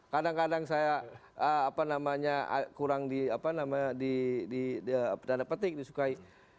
kadang kadang saya kurang di dana petik disukai